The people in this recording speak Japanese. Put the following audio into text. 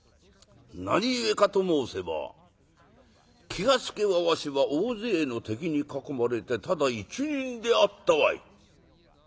「何故かと申せば気が付けばわしは大勢の敵に囲まれてただ一人であったわい。